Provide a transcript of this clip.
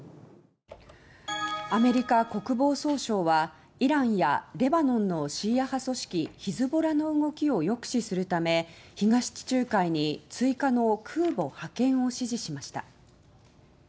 アメリカ国防総省はイランやレバノンのシーア派組織・ヒズボラの動きを抑止するため東地中海に追加の空母の派遣を指示しました。